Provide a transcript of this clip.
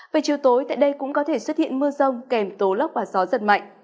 về chiều tối tại đây cũng có thể xuất hiện mưa rông kèm tố lốc và gió giật mạnh